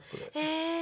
へえ。